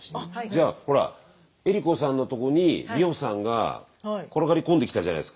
じゃあほら江里子さんのとこに美穂さんが転がり込んできたじゃないですか。